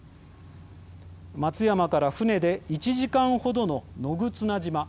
松山から船で１時間程の野忽那島。